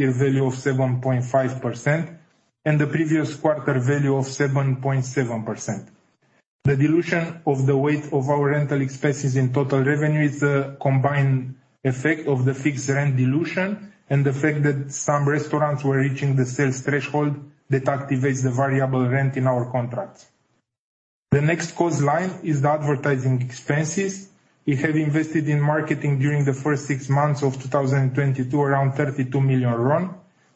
A value of 7.5% and the previous quarter value of 7.7%. The dilution of the weight of our rental expenses in total revenue is the combined effect of the fixed rent dilution and the fact that some restaurants were reaching the sales threshold that activates the variable rent in our contracts. The next cost line is the advertising expenses. We have invested in marketing during the first six months of 2022, around RON 32 million,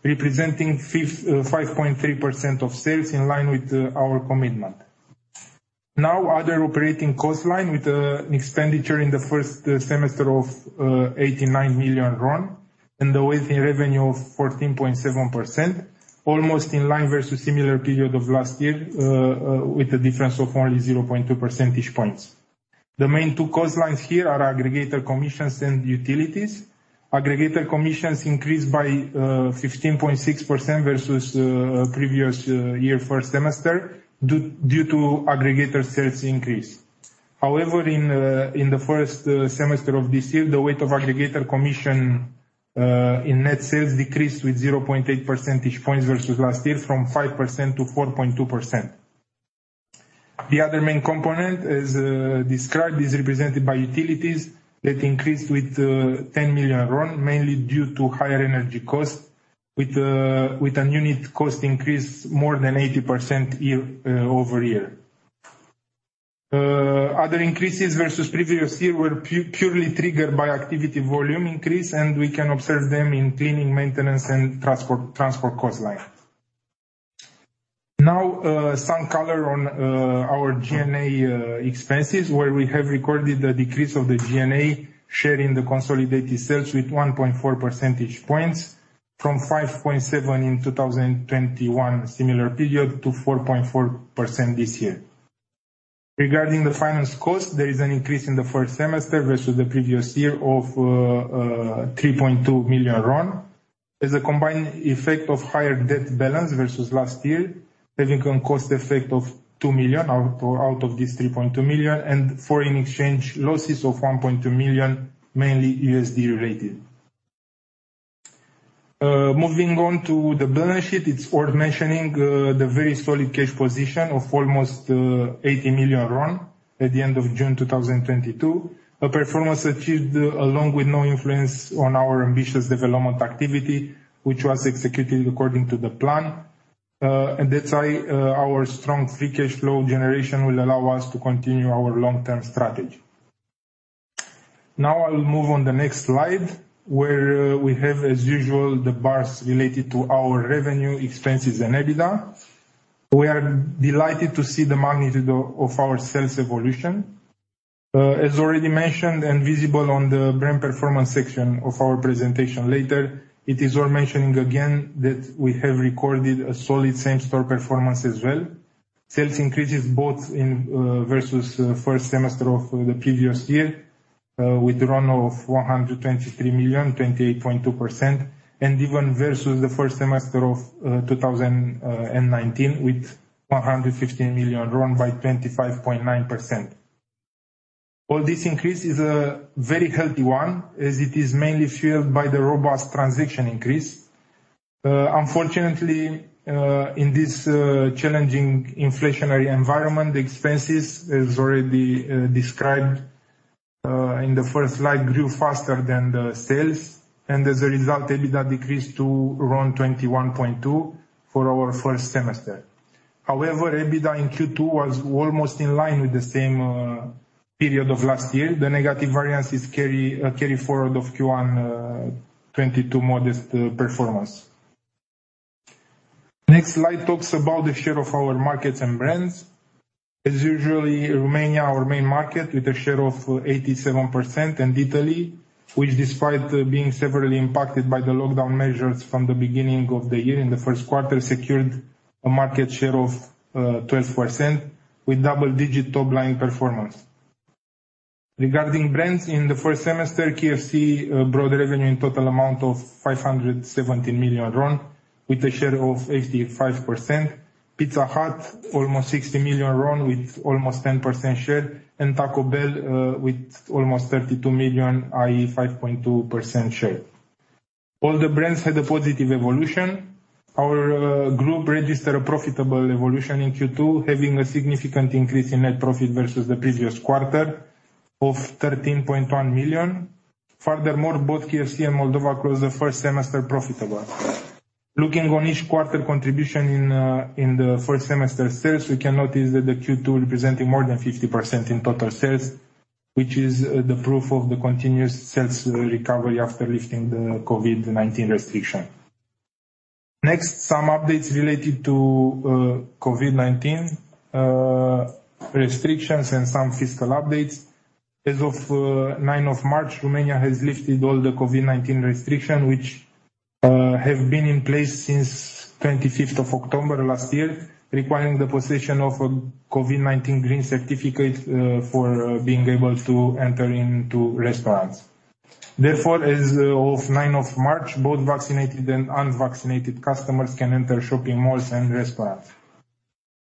representing 5.3% of sales in line with our commitment. Now, other operating cost line with an expenditure in the first semester of RON 89 million and the weight in revenue of 14.7%, almost in line versus similar period of last year, with a difference of only 0.2 percentage points. The main two cost lines here are aggregator commissions and utilities. Aggregator commissions increased by 15.6% versus previous year first semester due to aggregator sales increase. However, in the first semester of this year, the weight of aggregator commission in net sales decreased with 0.8 percentage points versus last year from 5% to 4.2%. The other main component is represented by utilities that increased with RON 10 million, mainly due to higher energy costs with a unit cost increase more than 80% year-over-year. Other increases versus previous year were purely triggered by activity volume increase, and we can observe them in cleaning, maintenance and transport cost line. Now, some color on our G&A expenses, where we have recorded a decrease of the G&A share in the consolidated sales with 1.4 percentage points from 5.7 in 2021 similar period to 4.4% this year. Regarding the finance cost, there is an increase in the first semester versus the previous year of RON 3.2 million. As a combined effect of higher debt balance versus last year, having a cost effect of RON 2 million out of this RON 3.2 million and foreign exchange losses of $1.2 million, mainly USD related. Moving on to the balance sheet, it's worth mentioning the very solid cash position of almost RON 80 million at the end of June 2022. A performance achieved along with no influence on our ambitious development activity, which was executed according to the plan. That's why our strong free cash flow generation will allow us to continue our long-term strategy. Now I'll move on the next slide, where we have as usual, the bars related to our revenue, expenses and EBITDA. We are delighted to see the magnitude of our sales evolution. As already mentioned and visible on the brand performance section of our presentation later, it is worth mentioning again that we have recorded a solid same store performance as well. Sales increased both versus first semester of the previous year with RON 123 million, 28.2%, and even versus the first semester of 2019 with 115 million RON by 25.9%. All this increase is a very healthy one as it is mainly fueled by the robust transaction increase. Unfortunately, in this challenging inflationary environment, the expenses as already described in the first slide grew faster than the sales and as a result, EBITDA decreased to around RON 21.2 million for our first semester. However, EBITDA in Q2 was almost in line with the same period of last year. The negative variance is carry forward of Q1 RON 22 million modest performance. Next slide talks about the share of our markets and brands. As usual, Romania, our main market with a share of 87% and Italy, which despite being severely impacted by the lockdown measures from the beginning of the year, in the first quarter, secured a market share of 12% with double-digit top line performance. Regarding brands, in the first semester, KFC brought revenue in total amount of RON 517 million with a share of 85%. Pizza Hut, almost RON 60 million with almost 10% share, and Taco Bell, with almost RON 32 million, i.e. 5.2% share. All the brands had a positive evolution. Our group registered a profitable evolution in Q2, having a significant increase in net profit versus the previous quarter of RON 13.1 million. Furthermore, both KFC and Moldova closed the first semester profitable. Looking on each quarter contribution in the first semester sales, we can notice that the Q2 representing more than 50% in total sales, which is the proof of the continuous sales recovery after lifting the COVID-19 restriction. Next, some updates related to COVID-19 restrictions and some fiscal updates. As of 9th March, Romania has lifted all the COVID-19 restriction, which have been in place since 25th October last year, requiring the possession of a COVID-19 green certificate for being able to enter into restaurants. Therefore, as of 9th March, both vaccinated and unvaccinated customers can enter shopping malls and restaurants.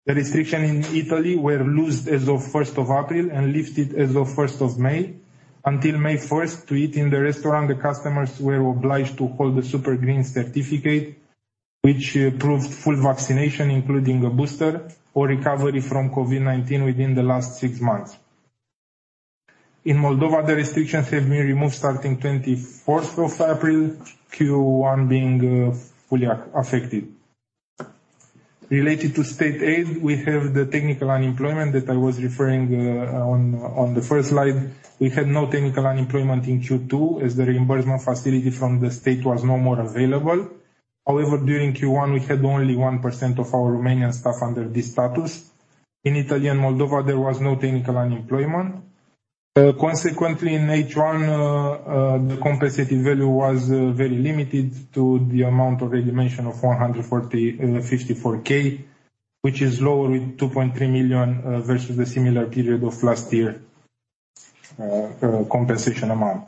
The restrictions in Italy were loosened as of first of April and lifted as of 1st May. Until May 1st, to eat in the restaurant, the customers were obliged to hold a Super Green Certificate which approved full vaccination, including a booster or recovery from COVID-19 within the last six months. In Moldova, the restrictions have been removed starting April 24, Q1 being fully affected. Related to state aid, we have the technical unemployment that I was referring on the first slide. We had no technical unemployment in Q2 as the reimbursement facility from the state was no more available. However, during Q1, we had only 1% of our Romanian staff under this status. In Italy and Moldova, there was no technical unemployment. Consequently in H1, the compensated value was very limited to the amount of a dimension of 140... 54,000, which is lower with RON 2.3 million versus the similar period of last year, compensation amount.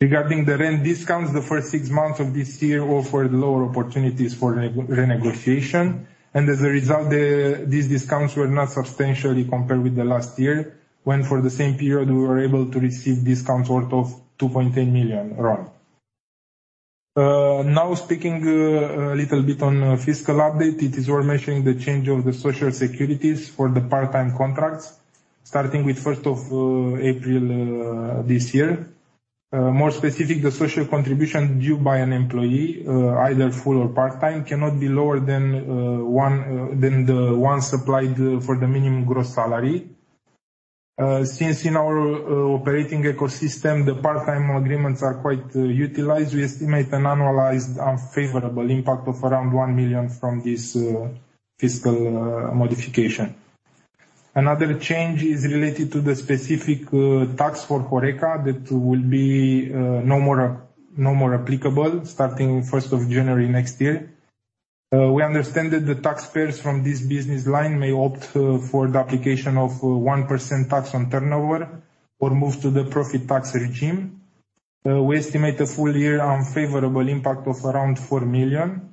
Regarding the rent discounts, the first six months of this year offered lower opportunities for renegotiation, and as a result these discounts were not substantially compared with the last year, when for the same period, we were able to receive discounts worth RON 2.8 million. Now speaking a little bit on fiscal update. It is worth mentioning the change of the social contributions for the part-time contracts starting with first of April this year. More specific, the social contribution due by an employee either full or part-time, cannot be lower than the one supplied for the minimum gross salary. Since in our operating ecosystem, the part-time agreements are quite utilized, we estimate an annualized unfavorable impact of around RON 1 million from this fiscal modification. Another change is related to the specific tax for HoReCa that will be no more applicable starting 1st January next year. We understand that the taxpayers from this business line may opt for the application of 1% tax on turnover or move to the profit tax regime. We estimate a full year unfavorable impact of around RON 4 million.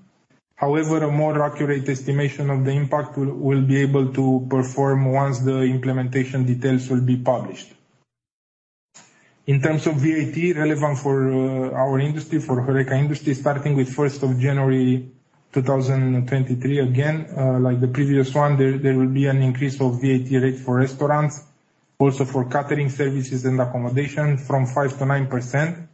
However, a more accurate estimation of the impact we'll be able to perform once the implementation details will be published. In terms of VAT relevant for our industry, for HoReCa industry, starting with January 1st, 2023, again, like the previous one, there will be an increase of VAT rate for restaurants, also for catering services and accommodation from 5% to 9%,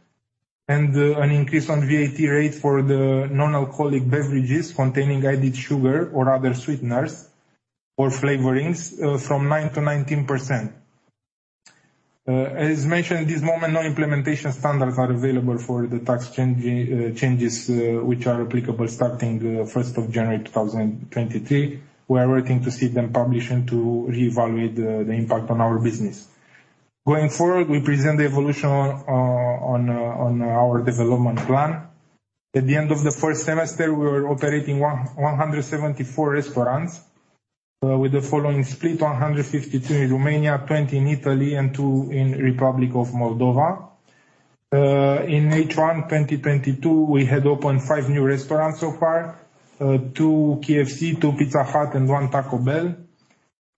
and an increase on VAT rate for the non-alcoholic beverages containing added sugar or other sweeteners or flavorings from 9% to 19%. As mentioned, at this moment, no implementation standards are available for the tax changes which are applicable starting January 1st, 2023. We are waiting to see them published and to reevaluate the impact on our business. Going forward, we present the evolution on our development plan. At the end of the first semester, we were operating 174 restaurants with the following split: 152 in Romania, 20 in Italy, and two in Republic of Moldova. In H1 2022, we had opened five new restaurants so far: two KFC, two Pizza Hut, and one Taco Bell.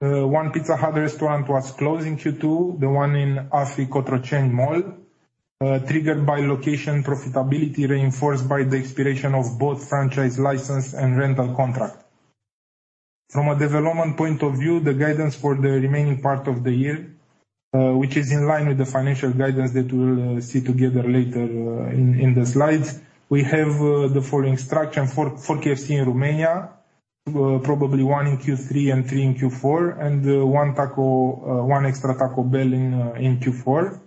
One Pizza Hut restaurant was closed in Q2, the one in Afi Cotroceni mall, triggered by location profitability reinforced by the expiration of both franchise license and rental contract. From a development point of view, the guidance for the remaining part of the year, which is in line with the financial guidance that we'll see together later, in the slides, we have the following structure. Four KFC in Romania, probably one in Q3 and three in Q4, and one Taco One extra Taco Bell in Q4.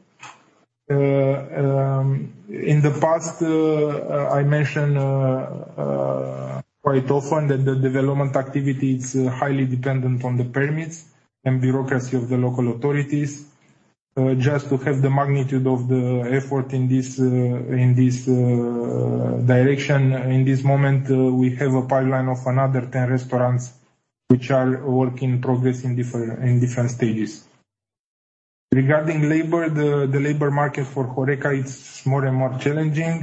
In the past, I mentioned quite often that the development activity is highly dependent on the permits and bureaucracy of the local authorities. Just to have the magnitude of the effort in this direction, in this moment, we have a pipeline of another 10 restaurants which are work in progress in different stages. Regarding labor, the labor market for HoReCa is more and more challenging.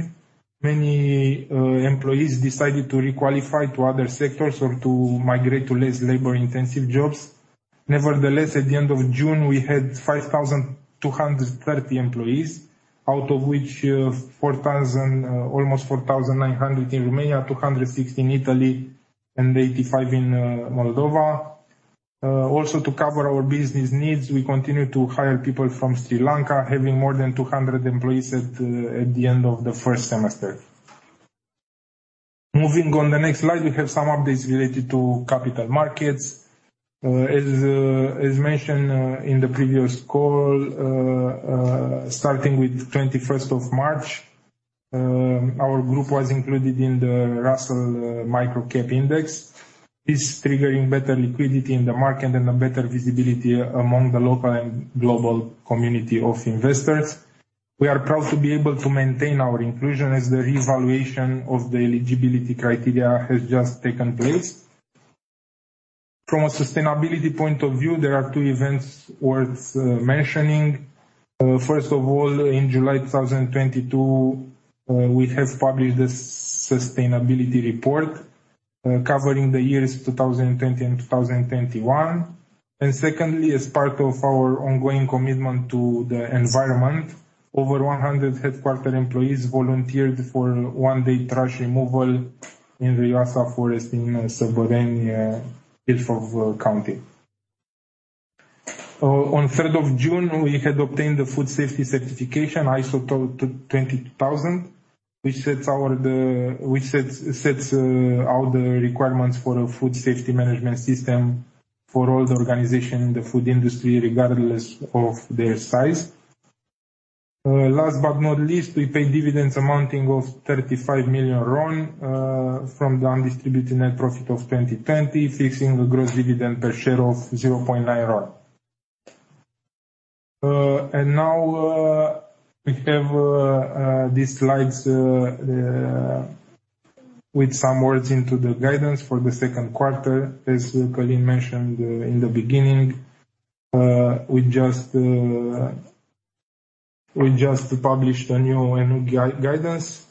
Many employees decided to re-qualify to other sectors or to migrate to less labor-intensive jobs. Nevertheless, at the end of June, we had 5,230 employees, out of which almost 4,900 in Romania, 260 in Italy, and 85 in Moldova. Also, to cover our business needs, we continue to hire people from Sri Lanka, having more than 200 employees at the end of the first semester. Moving on to the next slide, we have some updates related to capital markets. As mentioned in the previous call, starting with 21st of March, our group was included in the Russell Microcap Index. It's triggering better liquidity in the market and a better visibility among the local and global community of investors. We are proud to be able to maintain our inclusion as the revaluation of the eligibility criteria has just taken place. From a sustainability point of view, there are two events worth mentioning. First of all, in July 2022, we have published the sustainability report covering the years 2020 and 2021. Secondly, as part of our ongoing commitment to the environment, over 100 headquarters employees volunteered for one-day trash removal in the Dumbrava Sibiului in Sibiu County. On 3rd of June, we had obtained the food safety certification, ISO 22000, which sets the requirements for a food safety management system for all organizations in the food industry, regardless of their size. Last but not least, we paid dividends amounting to RON 35 million from the undistributed net profit of 2020, fixing the gross dividend per share of RON 0.9. Now, we have these slides with some words into the guidance for the second quarter. As Valentin Budeș mentioned in the beginning, we just published a new annual guidance,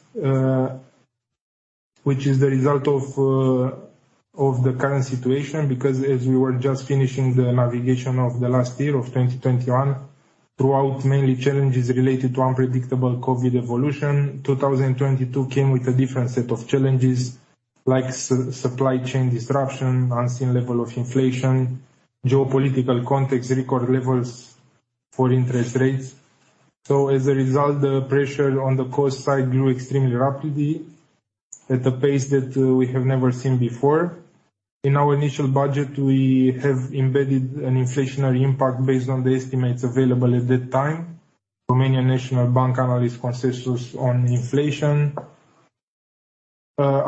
which is the result of the current situation, because as we were just finishing the navigation of the last year of 2021, throughout mainly challenges related to unpredictable COVID evolution, 2022 came with a different set of challenges like supply chain disruption, unseen level of inflation, geopolitical context, record levels for interest rates. As a result, the pressure on the cost side grew extremely rapidly at a pace that we have never seen before. In our initial budget, we have embedded an inflationary impact based on the estimates available at that time from many national bank analyst consensus on inflation.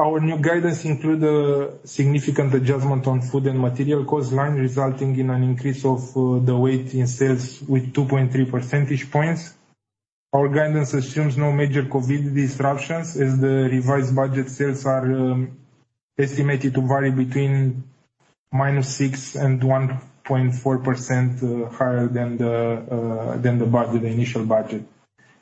Our new guidance include a significant adjustment on food and material cost line, resulting in an increase of the weight in sales with 2.3 percentage points. Our guidance assumes no major COVID disruptions, as the revised budget sales are estimated to vary between -6% and 1.4% higher than the initial budget.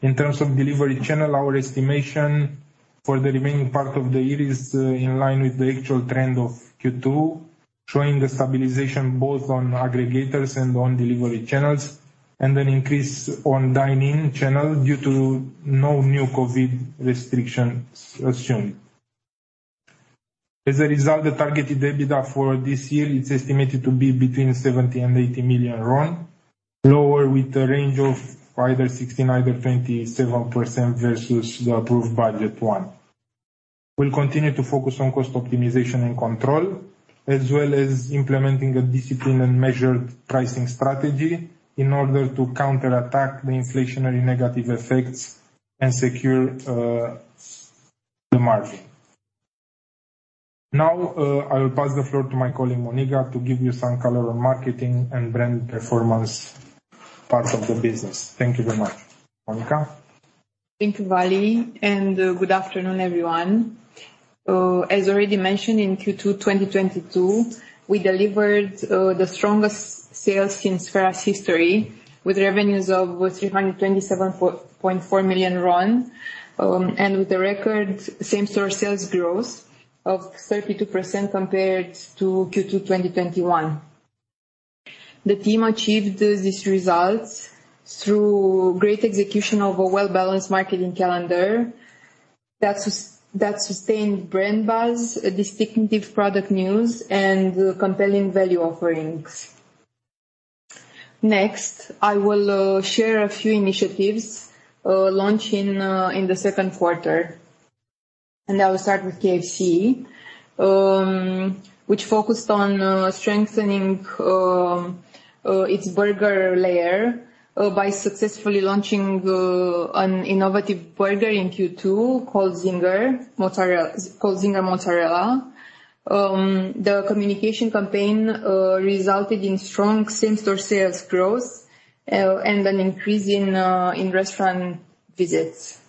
In terms of delivery channel, our estimation for the remaining part of the year is in line with the actual trend of Q2, showing a stabilization both on aggregators and on delivery channels, and an increase on dine-in channel due to no new COVID restrictions assumed. As a result, the targeted EBITDA for this year, it's estimated to be between RON 70 million and RON 80 million, lower with a range of either 69%-27% versus the approved budget one. We'll continue to focus on cost optimization and control, as well as implementing a disciplined and measured pricing strategy in order to counterattack the inflationary negative effects and secure the margin. Now, I'll pass the floor to my colleague, Monica, to give you some color on marketing and brand performance parts of the business. Thank you very much. Monica. Thank you, Valentin, and good afternoon, everyone. As already mentioned, in Q2 2022, we delivered the strongest sales in Sphera's history with revenues of RON 327.4 million and with a record same-store sales growth of 32% compared to Q2 2021. The team achieved these results through great execution of a well-balanced marketing calendar that sustained brand buzz, distinctive product news, and compelling value offerings. Next, I will share a few initiatives launched in the second quarter. I will start with KFC, which focused on strengthening its burger layer by successfully launching an innovative burger in Q2 called Zinger Mozzarella. The communication campaign resulted in strong same-store sales growth and an increase in restaurant visits.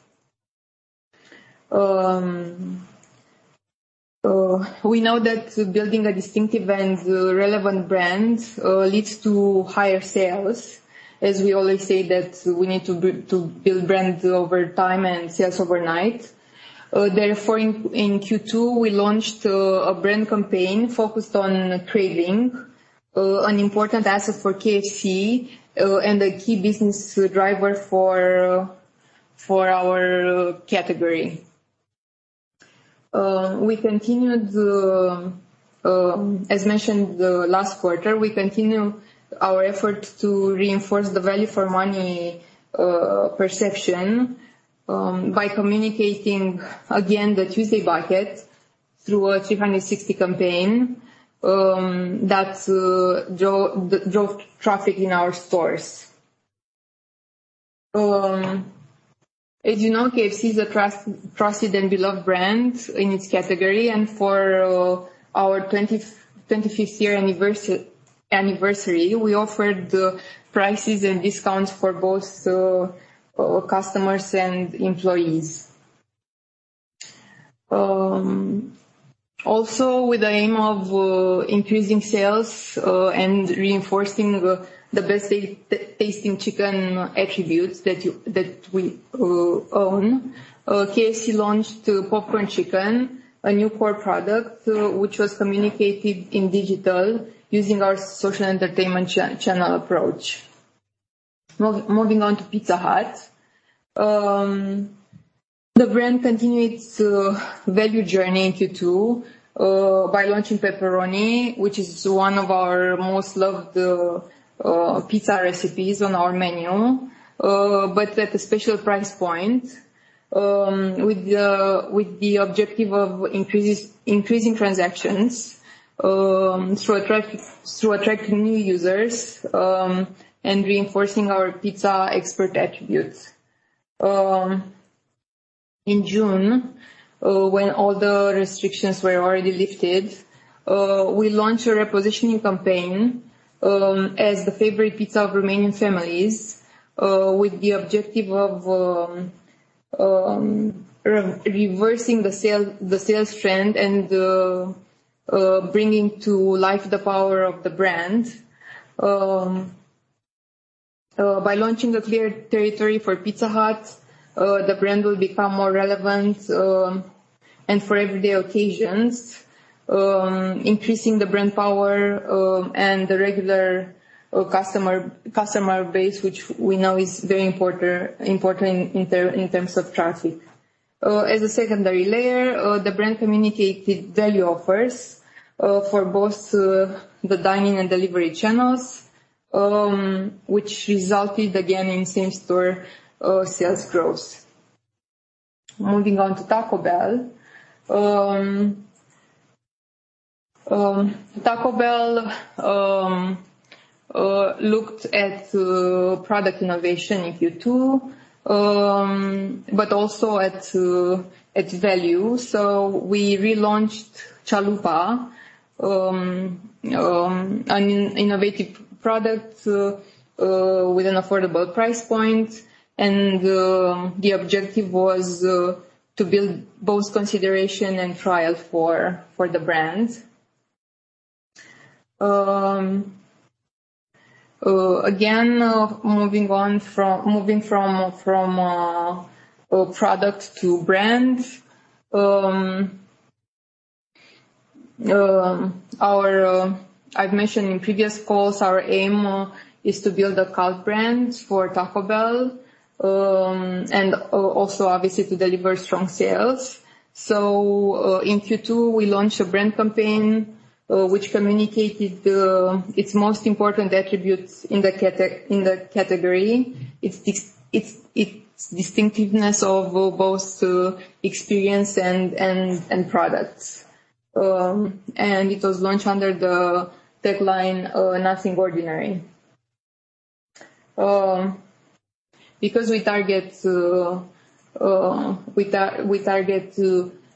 We know that building a distinctive and relevant brand leads to higher sales, as we always say that we need to build brands over time and sales overnight. Therefore, in Q2, we launched a brand campaign focused on craving, an important asset for KFC, and a key business driver for our category. We continued to, as mentioned last quarter, we continue our effort to reinforce the value for money perception, by communicating again the Tuesday bucket through a 360 campaign, that drove traffic in our stores. As you know, KFC is a trusted and beloved brand in its category. For our 25th year anniversary, we offered prices and discounts for both customers and employees. Also with the aim of increasing sales and reinforcing the best tasting chicken attributes that we own, KFC launched popcorn chicken, a new core product, which was communicated in digital using our social entertainment channel approach. Moving on to Pizza Hut. The brand continued its value journey in Q2 by launching pepperoni, which is one of our most loved pizza recipes on our menu, but at a special price point, with the objective of increasing transactions through attracting new users and reinforcing our pizza expert attributes. In June, when all the restrictions were already lifted, we launched a repositioning campaign as the favorite pizza of Romanian families, with the objective of reversing the sales trend and bringing to life the power of the brand. By launching a clear territory for Pizza Hut, the brand will become more relevant and for everyday occasions, increasing the brand power and the regular customer base, which we know is very important in terms of traffic. As a secondary layer, the brand communicated value offers for both the dining and delivery channels, which resulted again in same-store sales growth. Moving on to Taco Bell. Taco Bell looked at product innovation in Q2, but also at value. We relaunched Chalupa, an innovative product, with an affordable price point. The objective was to build both consideration and trial for the brand. Again, moving from product to brand. I've mentioned in previous calls, our aim is to build a cult brand for Taco Bell, and also obviously to deliver strong sales. In Q2, we launched a brand campaign, which communicated its most important attributes in the category. Its distinctiveness of both experience and products. It was launched under the tagline "Nothing ordinary." Because we target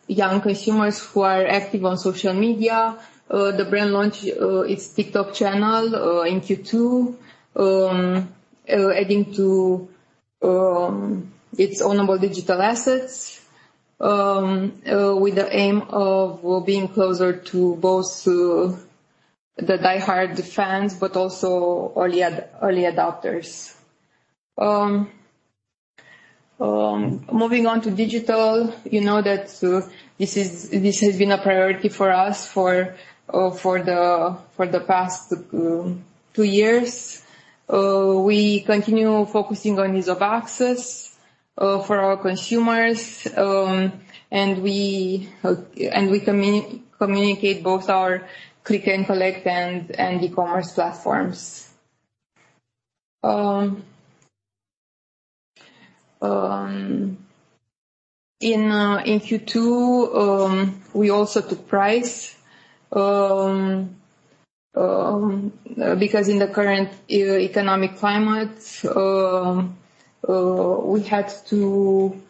young consumers who are active on social media, the brand launched its TikTok channel in Q2, adding to its ownable digital assets with the aim of being closer to both the diehard fans but also early adopters. Moving on to digital. You know that this has been a priority for us for the past two years. We continue focusing on ease of access for our consumers, and we communicate both our click and collect and e-commerce platforms. In Q2, we also took price because in the current economic climate, we had to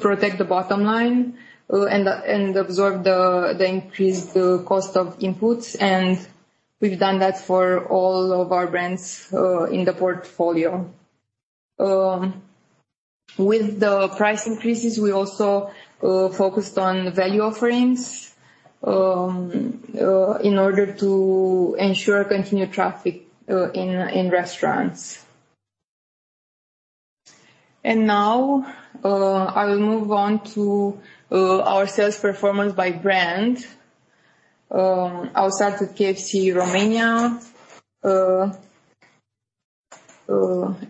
protect the bottom line and absorb the increased cost of inputs, and we've done that for all of our brands in the portfolio. With the price increases, we also focused on value offerings in order to ensure continued traffic in restaurants. Now, I will move on to our sales performance by brand outside of KFC Romania.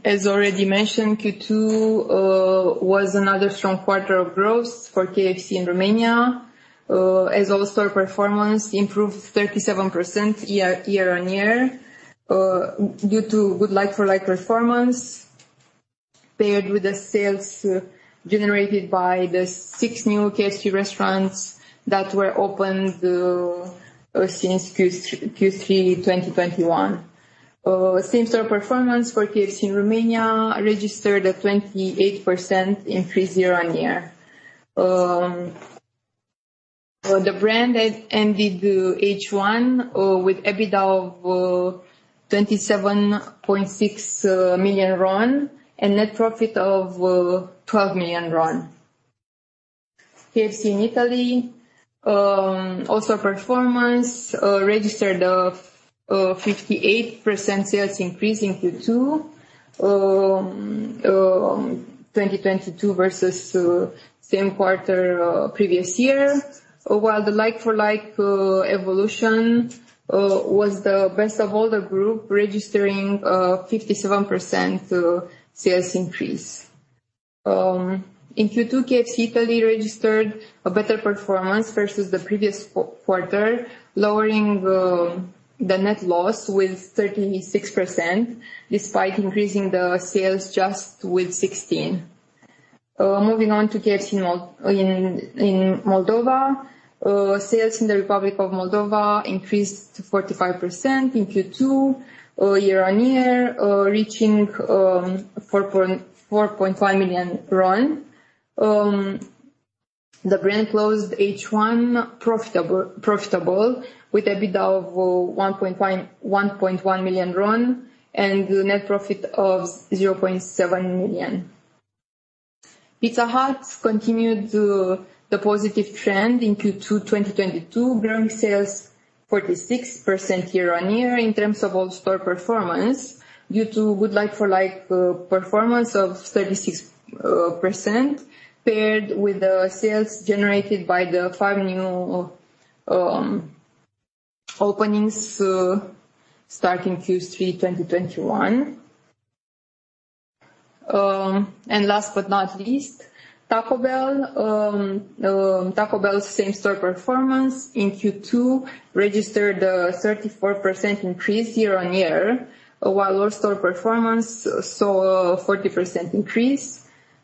As already mentioned, Q2 was another strong quarter of growth for KFC in Romania, as our store performance improved 37% year-on-year due to good like-for-like performance paired with the sales generated by the six new KFC restaurants that were opened since Q3 2021. Same store performance for KFC in Romania registered a 28% increase year-on-year. The brand that ended the H1 with EBITDA of RON 27.6 million and net profit of RON 12 million. KFC in Italy also performed, registered a 58% sales increase in Q2 2022 versus same quarter previous year. While the like for like evolution was the best of all the group registering 57% sales increase. In Q2, KFC Italy registered a better performance versus the previous quarter, lowering the net loss by 36% despite increasing the sales just by 16. Moving on to KFC in Moldova. Sales in the Republic of Moldova increased by 45% in Q2 year-on-year, reaching RON 4.5 million. The brand closed H1 profitable with EBITDA of RON 1.1 million and net profit of RON 0.7 million. Pizza Hut continued the positive trend in Q2 2022, growing sales 46% year-on-year in terms of all store performance, due to good like-for-like performance of 36% paired with the sales generated by the five new openings starting Q3 2021. Last but not least, Taco Bell. Taco Bell same-store performance in Q2 registered a 34% increase year-on-year, while all store performance saw a 40% increase.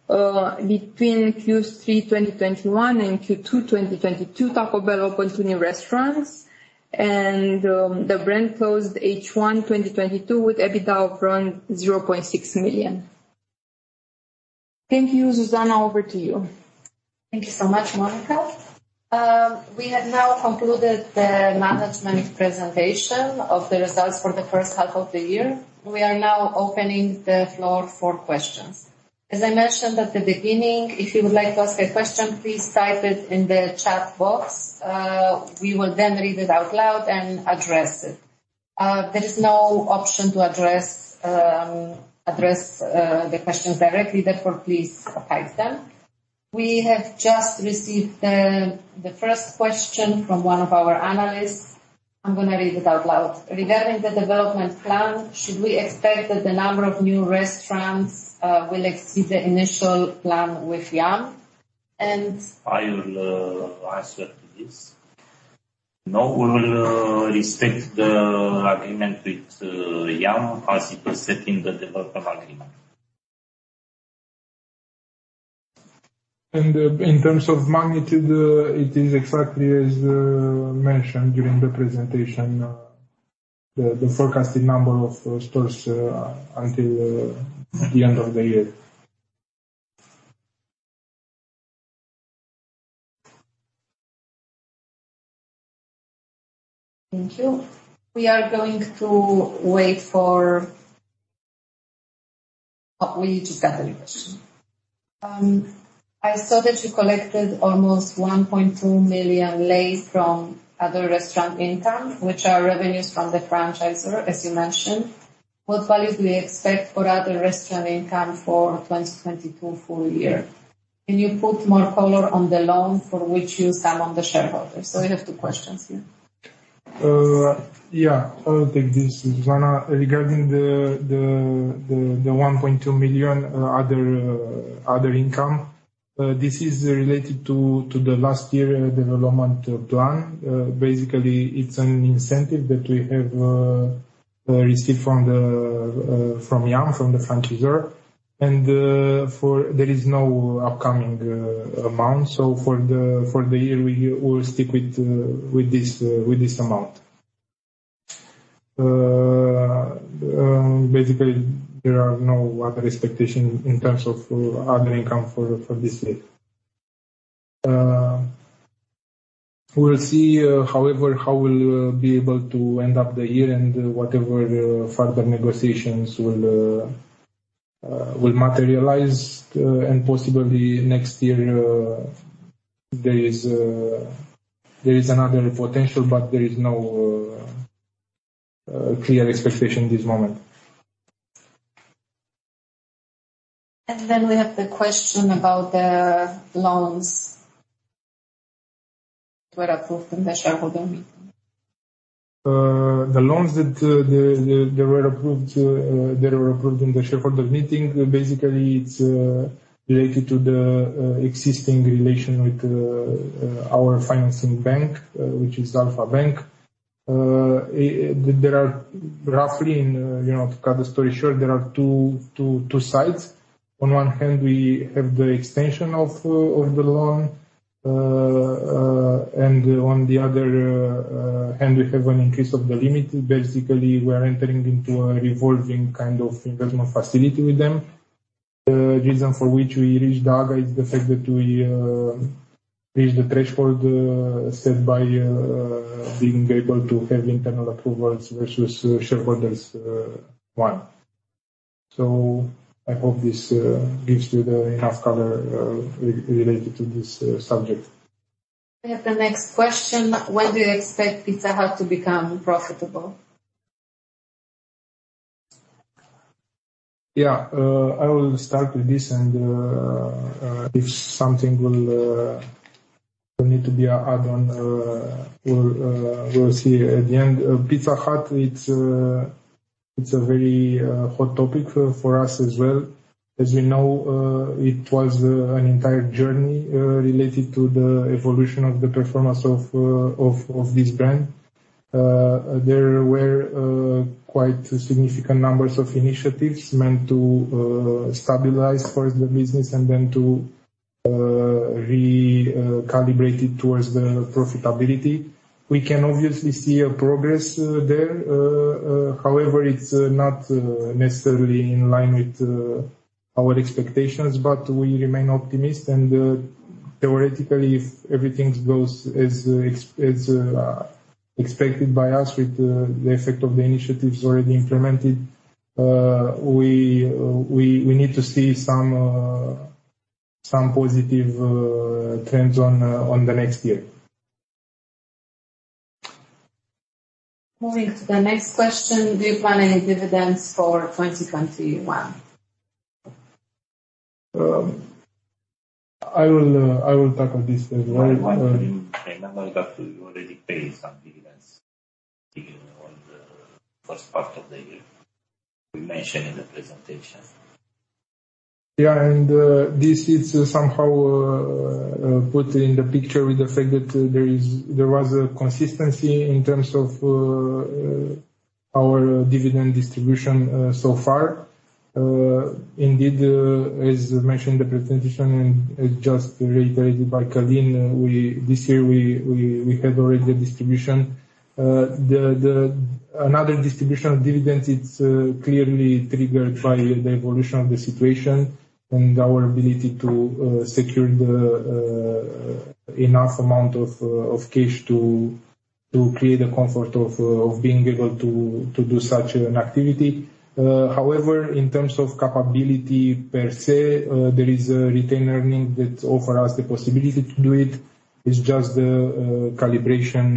Between Q3 2021 and Q2 2022, Taco Bell opened new restaurants and the brand closed H1 2022 with EBITDA of around RON 0.6 million. Thank you. Zuzanna, over to you. Thank you so much, Monica. We have now concluded the management presentation of the results for the first half of the year. We are now opening the floor for questions. As I mentioned at the beginning, if you would like to ask a question, please type it in the chat box. We will then read it out loud and address it. There is no option to address the questions directly. Therefore, please type them. We have just received the first question from one of our analysts. I'm gonna read it out loud. Regarding the development plan, should we expect that the number of new restaurants will exceed the initial plan with Yum and- I will answer to this. No, we will respect the agreement with Yum as it was set in the development agreement. In terms of magnitude, it is exactly as mentioned during the presentation, the forecasted number of stores until the end of the year. Thank you. Oh, we just got a new question. I saw that you collected almost RON 1.2 million from other restaurant income, which are revenues from the franchisor, as you mentioned. What values do we expect for other restaurant income for 2022 full year? Can you put more color on the loan for which you sought from the shareholders? We have two questions here. Yeah, I'll take this, Zuzanna. Regarding the RON 1.2 million other income, this is related to the last year development plan. Basically, it's an incentive that we have received from Yum, from the franchisor. There is no upcoming amount. For the year, we will stick with this amount. Basically there are no other expectation in terms of other income for this year. We'll see, however, how we'll be able to end up the year and whatever further negotiations will materialize. Possibly next year, there is another potential, but there is no clear expectation this moment. We have the question about the loans that approved in the shareholder meeting. The loans that were approved in the shareholder meeting. Basically it's related to the existing relation with our financing bank, which is Alpha Bank. There are roughly, you know, to cut the story short, there are two sides. On one hand, we have the extension of the loan. On the other hand, we have an increase of the limit. Basically, we are entering into a revolving kind of investment facility with them. The reason for which we reached AGA is the fact that we reached the threshold set by being able to have internal approvals versus shareholders one. I hope this gives you enough color related to this subject. I have the next question. When do you expect Pizza Hut to become profitable? Yeah. I will start with this, and if something will need to be added on, we'll see at the end. Pizza Hut, it's a very hot topic for us as well. As we know, it was an entire journey related to the evolution of the performance of this brand. There were quite significant numbers of initiatives meant to stabilize first the business and then to recalibrate it towards the profitability. We can obviously see a progress there. However, it's not necessarily in line with our expectations, but we remain optimistic. Theoretically, if everything goes as expected. As expected by us with the effect of the initiatives already implemented, we need to see some positive trends on the next year. Moving to the next question: Do you plan any dividends for 2021? I will tackle this as well. I want to remind that you already paid some dividends in first part of the year. We mentioned in the presentation. This is somehow put in the picture with the fact that there was a consistency in terms of our dividend distribution so far. Indeed, as mentioned in the presentation and just reiterated by Călin, this year we had already a distribution. Another distribution of dividends is clearly triggered by the evolution of the situation and our ability to secure enough amount of cash to create a comfort of being able to do such an activity. However, in terms of capability per se, there is a retained earnings that offer us the possibility to do it. It's just the calibration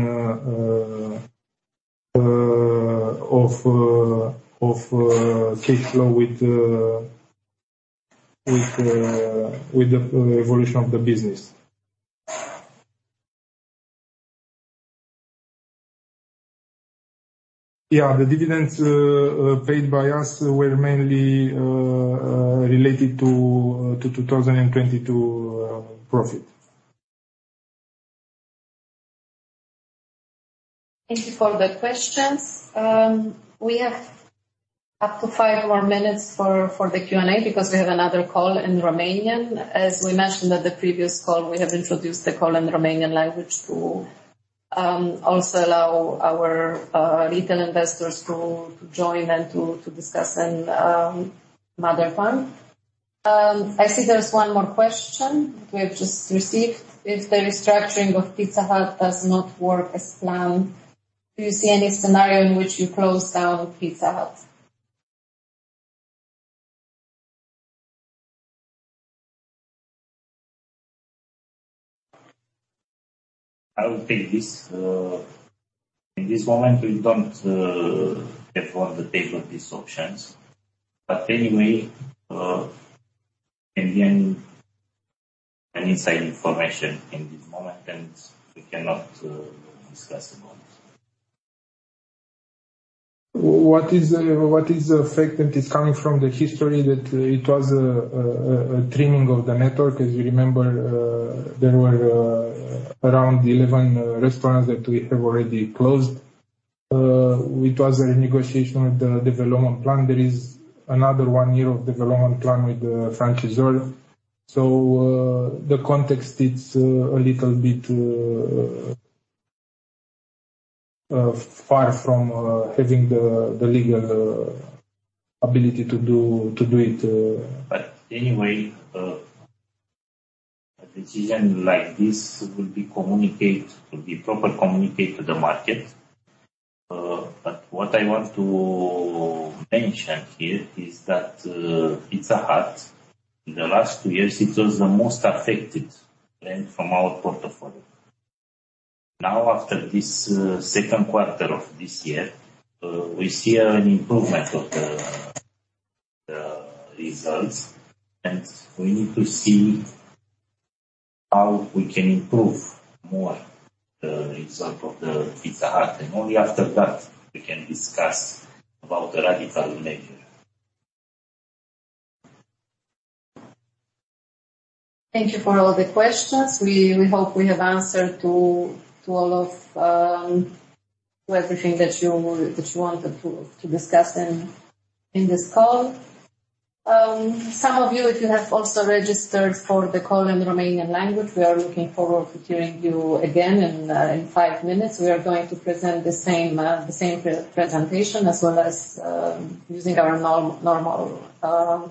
of cash flow with the evolution of the business. Yeah. The dividends paid by us were mainly related to 2022 profit. Thank you for the questions. We have up to five more minutes for the Q&A because we have another call in Romanian. As we mentioned at the previous call, we have introduced the call in Romanian language to also allow our retail investors to join and to discuss in mother tongue. I see there's one more question we have just received. If the restructuring of Pizza Hut does not work as planned, do you see any scenario in which you close down Pizza Hut? I will take this. In this moment, we don't have on the table these options. Anyway, again, any inside information in this moment, and we cannot discuss about it. What is the effect that is coming from the history that it was a trimming of the network? As you remember, there were around 11 restaurants that we have already closed. It was a renegotiation with the development plan. There is another one year of development plan with the franchisor. The context, it's a little bit far from having the legal ability to do it. Anyway, a decision like this will be properly communicated to the market. What I want to mention here is that, Pizza Hut, in the last two years, it was the most affected brand from our portfolio. Now, after this second quarter of this year, we see an improvement of the results, and we need to see how we can improve more the result of the Pizza Hut. Only after that we can discuss about a radical measure. Thank you for all the questions. We hope we have answered to all of to everything that you wanted to discuss in this call. Some of you, if you have also registered for the call in Romanian language, we are looking forward to hearing you again in five minutes. We are going to present the same pre-presentation as well as using our normal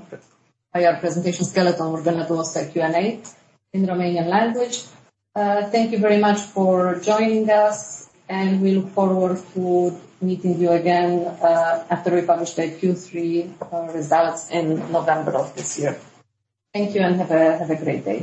IR presentation skeleton. We're gonna do also a Q&A in Romanian language. Thank you very much for joining us, and we look forward to meeting you again after we publish the Q3 results in November of this year. Thank you and have a great day.